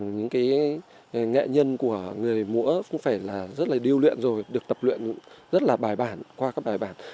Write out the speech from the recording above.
rất là sôi động mà thể hiện được những nghệ nhân của người múa cũng phải là rất là điêu luyện rồi được tập luyện rất là bài bản qua các bài bản